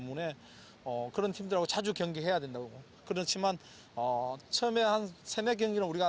mereka akan memperbaiki kemampuan mereka